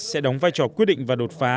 sẽ đóng vai trò quyết định và đột phá